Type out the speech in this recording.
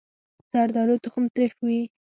زردالو تخم تریخ وي.